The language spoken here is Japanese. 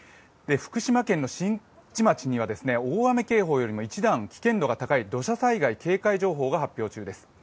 福島県の新地町には大雨警報よりも一段危険度が高い、土砂災害警戒情報が発表中です。